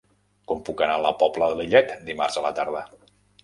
Com puc anar a la Pobla de Lillet dimarts a la tarda?